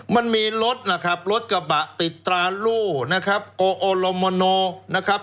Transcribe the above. มันมีรถนะครับรถกระบะติดตราลูนะครับนะครับ